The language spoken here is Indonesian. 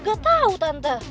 gak tau tante